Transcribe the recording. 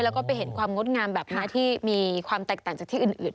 แล้วก็ไปเห็นความงดงามแบบนี้ที่มีความแตกต่างจากที่อื่น